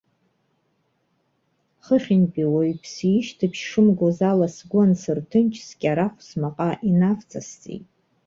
Хыхьынтәи уаҩԥсы ишьҭыбжь шымгоз ала сгәы ансырҭынч, скьарахә смаҟа инавҵасҵеит.